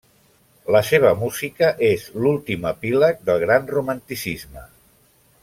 La seva música és l'últim epíleg del gran romanticisme.